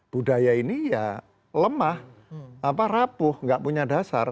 budaya ini ya lemah rapuh nggak punya dasar